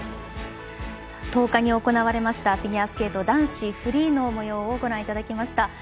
１０日に行われましたフィギュアスケート男子フリーのもようをご覧いただきました。